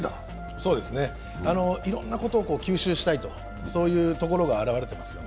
そうですね、いろんなことを吸収したいんだと、そういうことが現れていますね。